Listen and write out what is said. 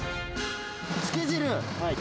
つけ汁。